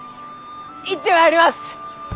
行ってまいります！